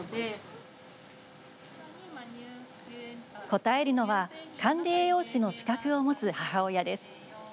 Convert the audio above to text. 答えるのは管理栄養士の資格を持つ母親です。